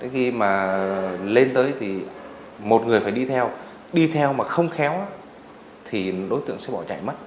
khi mà lên tới thì một người phải đi theo đi theo mà không khéo thì đối tượng sẽ bỏ chạy mất